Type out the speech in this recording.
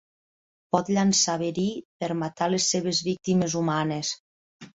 Pot llançar verí per matar les seves víctimes humanes.